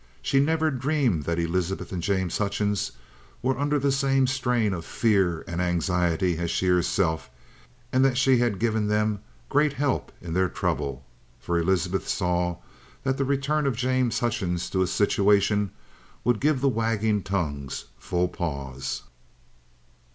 She never dreamed that Elizabeth and James Hutchings were under the same strain of fear and anxiety as she herself, and that she had given them great help in their trouble, for Elizabeth saw that the return of James Hutchings to his situation would give the wagging tongues full pause.